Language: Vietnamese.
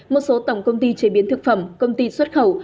một số tổng công ty chế biến thực phẩm công ty xuất khẩu